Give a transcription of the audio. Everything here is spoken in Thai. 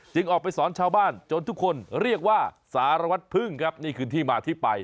ออกไปสอนชาวบ้านจนทุกคนเรียกว่าสารวัตรพึ่งครับนี่คือที่มาที่ไป